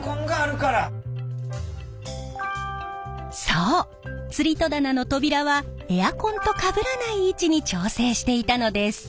そうつり戸棚の扉はエアコンとかぶらない位置に調整していたのです。